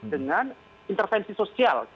dengan intervensi sosial